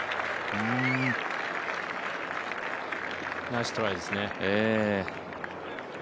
ナイストライですね。